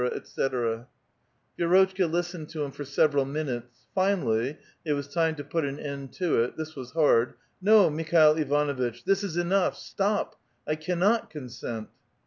etc. Vi^ixjtclika listened to him for several minutes ; finally — it was time to put an end to it — this was hard :—'* No, Mikhail Ivanuitch, this is enough ! Stop ! I can not consent."